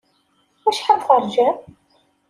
Acḥal terjam?